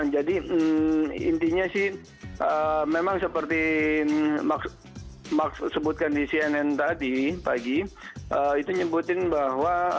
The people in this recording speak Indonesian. intinya sih memang seperti sebutkan di cnn tadi pagi itu nyebutin bahwa